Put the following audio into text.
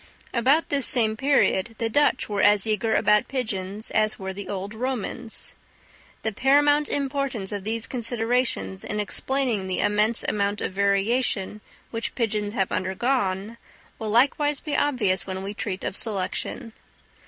About this same period the Dutch were as eager about pigeons as were the old Romans. The paramount importance of these considerations in explaining the immense amount of variation which pigeons have undergone, will likewise be obvious when we treat of Selection.